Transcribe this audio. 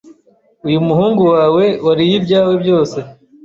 uyu muhungu wawe wariye ibyawe byose